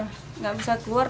tidak bisa keluar